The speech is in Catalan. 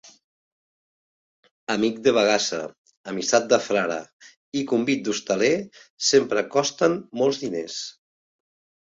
Amic de bagassa, amistat de frare i convit d'hostaler sempre costen molts diners.